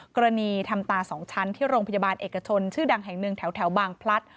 กรณีทำตา๒ชั้นที่โรงพยาบาลเอกชนชื่อดังแห่งหนึ่งแถวบางพลัด